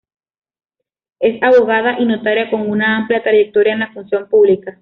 Es abogada y notaria, con una amplia trayectoria en la función pública.